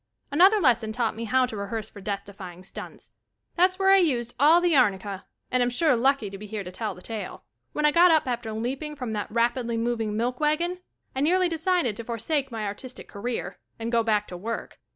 Another lesson taught me how to rehearse for death defying stunts. That's where I used all the arnicka and am sure lucky to be here to tell the tail. When I got up after leaping from that rapidly moving milk wagon, I nearly decided to forsake my ar tist career, and go back to work.